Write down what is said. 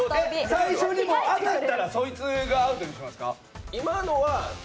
最初に当たったらそいつがアウトにしますか？